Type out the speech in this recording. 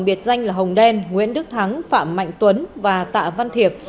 biệt danh là hồng đen nguyễn đức thắng phạm mạnh tuấn và tạ văn thiệp